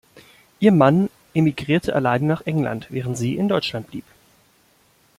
Ihr Mann emigrierte allein nach England, während sie in Deutschland blieb.